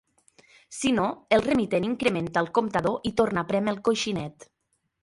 Si no, el remitent incrementa el comptador i torna a prémer el coixinet.